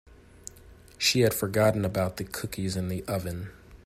She had forgotten about the cookies in the oven.